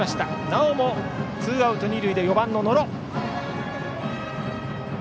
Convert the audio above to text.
なおもツーアウト、二塁でバッター、４番の野呂。